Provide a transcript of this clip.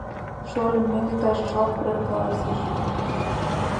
— Шольым мӧҥгӧ кайышыжла пурен каласыш.